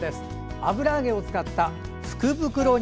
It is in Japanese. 油揚げを使った福袋煮。